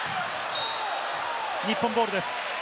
日本ボールです。